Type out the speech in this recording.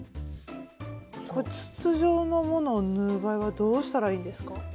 これ筒状のものを縫う場合はどうしたらいいんですか？